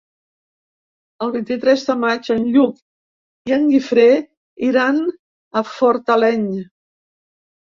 El vint-i-tres de maig en Lluc i en Guifré iran a Fortaleny.